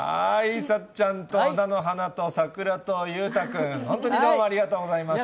さっちゃんと菜の花と桜と裕太君、本当にどうもありがとうございました。